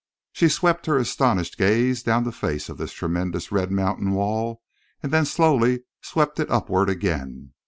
She swept her astonished gaze down the face of this tremendous red mountain wall and then slowly swept it upward again.